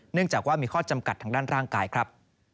จากว่ามีข้อจำกัดทางด้านร่างกายครับ